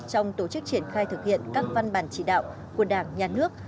trong tổ chức triển khai thực hiện các văn bản chỉ đạo của đảng nhà nước